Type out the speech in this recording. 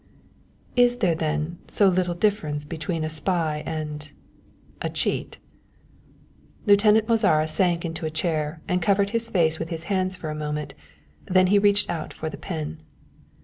"Is there, then, so little difference between a spy and a cheat?" Lieutenant Mozara sank into a chair and covered his face with his hands for a moment, then he reached out for the pen.